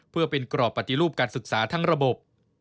เพื่อเป็นกรอบปฏิรูปการศึกษาทั้งระบบ